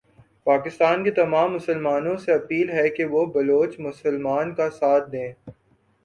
پاکستان کے تمام مسلمانوں سے اپیل ھے کہ وہ بلوچ مسلمان کا ساتھ دیں۔